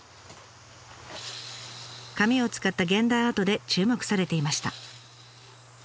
紙を使った現代アートで注目されていました。